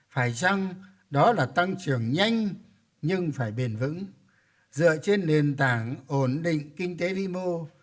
phải chăng đó là tăng trưởng nhanh nhưng phải bền vững dựa trên nền tảng ổn định kinh tế vi mô